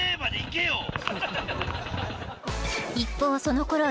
一方そのころ